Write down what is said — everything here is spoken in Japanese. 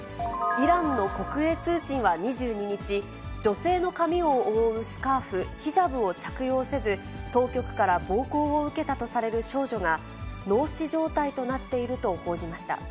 イランの国営通信は２２日、女性の髪を覆うスカーフ、ヒジャブを着用せず、当局から暴行を受けたとされる少女が、脳死状態となっていると報じました。